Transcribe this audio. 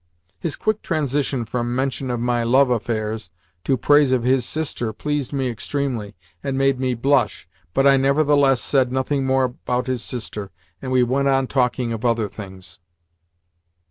His quick transition from mention of my love affairs to praise of his sister pleased me extremely, and made me blush, but I nevertheless said nothing more about his sister, and we went on talking of other things.